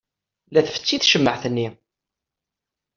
La tfessi tcemmaɛt-nni.